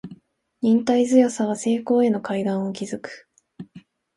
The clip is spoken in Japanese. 忍耐強さは成功への階段を築く